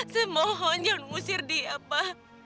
saya mohon jangan mengusir dia pa